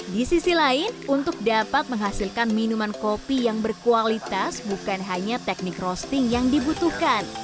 di sisi lain untuk dapat menghasilkan minuman kopi yang berkualitas bukan hanya teknik roasting yang dibutuhkan